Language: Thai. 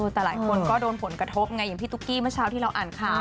แต่หลายคนก็โดนผลกระทบไงอย่างพี่ตุ๊กกี้เมื่อเช้าที่เราอ่านข่าว